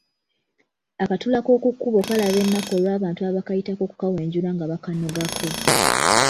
Akatula k’oku kkubo kalaba ennaku olw’abantu abakayitako okukawenjula nga bakanogako.